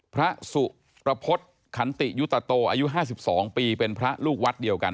พระสุรพฤษขันติยุตโตอายุ๕๒ปีเป็นพระลูกวัดเดียวกัน